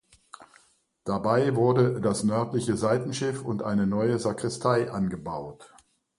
Dabei wurden das nördliche Seitenschiff und eine neue Sakristei angebaut.